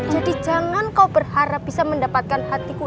jadi jangan kau berharap bisa mendapatkan hatiku